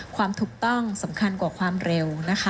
ความถูกต้องสำคัญกว่าความเร็วนะคะ